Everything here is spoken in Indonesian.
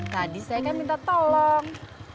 tadi saya kan minta tolong